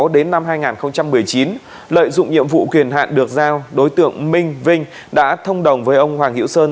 đến năm hai nghìn một mươi chín lợi dụng nhiệm vụ kiền hạn được giao đối tượng minh vinh đã thông đồng với ông hoàng hữu sơn